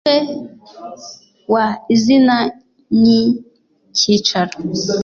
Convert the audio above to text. umutwe wa izina n icyicaro